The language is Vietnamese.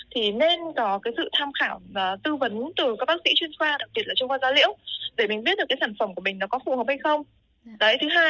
thì nên có sự tham khảo và tư vấn từ các bác sĩ chuyên khoa đặc biệt là trong khoa gia liễu để mình biết sản phẩm của mình có phù hợp hay không